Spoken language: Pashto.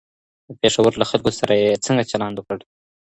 د پیښور له خلګو سره یې څنګه چلند وکړ؟